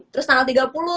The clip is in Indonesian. terus tanggal tiga puluh